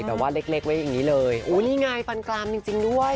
แบบว่าเล็กไว้อย่างนี้เลยอู้นี่ไงฟันกลามจริงด้วย